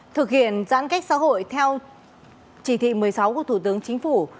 thực hiện giãn cách xã hội theo chỉ thị một mươi sáu của thủ tướng chính phủ